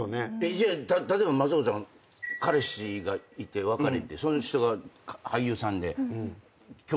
じゃあ例えば松岡さん彼氏がいて別れてその人が俳優さんで共演。